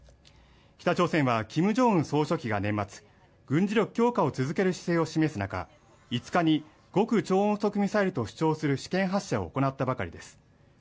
北朝鮮はキム・ジョンウン総書記が年末軍事力強化を続ける姿勢を示す中５日に極超音速ミサイルと主張する試験発射を行ったばかりです